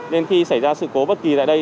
nên khi xảy ra sự cố bất kỳ tại đây